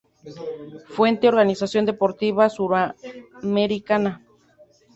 Fuente: Organización Deportiva Suramericana